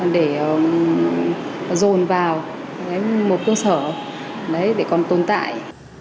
để dồn vào một cơ sở để còn tồn tại